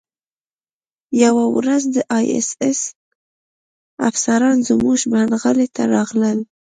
یوه ورځ د اېس ایس افسران زموږ پنډغالي ته راغلل